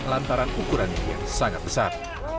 lantaran ukurannya yang sangat besar